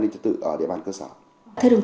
ninh trật tự ở địa bàn cơ sở thưa đồng